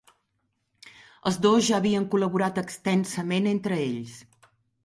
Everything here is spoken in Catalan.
Els dos ja havien col·laborat extensament entre ells.